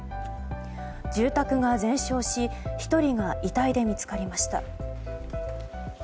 住宅が全焼し１人が遺体で見つかりました。